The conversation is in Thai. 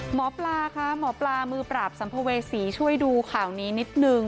หมอปลาคะหมอปลามือปราบสัมภเวษีช่วยดูข่าวนี้นิดนึง